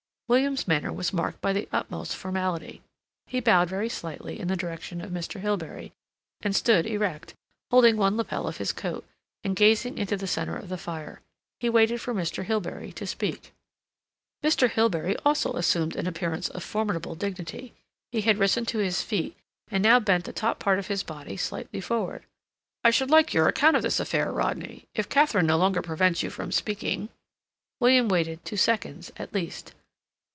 William's manner was marked by the utmost formality. He bowed very slightly in the direction of Mr. Hilbery, and stood erect, holding one lapel of his coat, and gazing into the center of the fire. He waited for Mr. Hilbery to speak. Mr. Hilbery also assumed an appearance of formidable dignity. He had risen to his feet, and now bent the top part of his body slightly forward. "I should like your account of this affair, Rodney—if Katharine no longer prevents you from speaking." William waited two seconds at least.